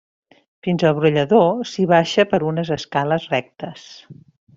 Fins al brollador s'hi baixa per unes escales rectes.